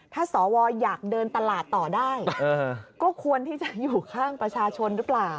ถ้าสวอยากเดินตลาดต่อได้ก็ควรที่จะอยู่ข้างประชาชนหรือเปล่า